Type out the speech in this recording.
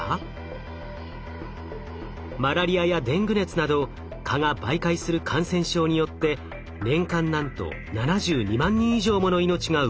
マラリアやデング熱など蚊が媒介する感染症によって年間なんと７２万人以上もの命が奪われています。